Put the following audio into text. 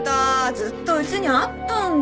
ずっとうちにあったんじゃん。